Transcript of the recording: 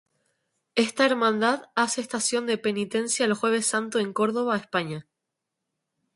Esta hermandad hace estación de Penitencia el Jueves Santo en Córdoba, España.